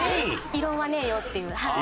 「異論はねえよ」っていう。